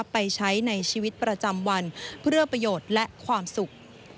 ไปใช้ในชีวิตประจำวันเพื่อประโยชน์และความสุข